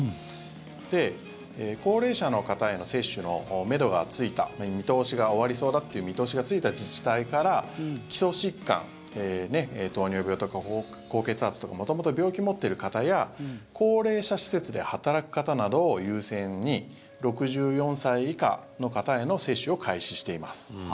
で、高齢者の方への接種のめどがついた終わりそうだという見通しがついた自治体から基礎疾患、糖尿病とか高血圧とか元々、病気を持ってる方や高齢者施設で働く方などを優先に６４歳以下の方への接種を開始しています。